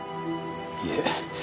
いえ。